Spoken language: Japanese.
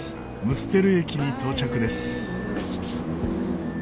ムステル駅に到着です。